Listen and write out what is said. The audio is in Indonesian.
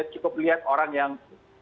cukup lihat orang yang